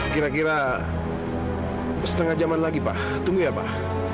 kira kira setengah jaman lagi pak tunggu ya pak